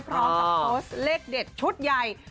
พร้อมกับโพสต์เลขเด็ดชุดใหญ่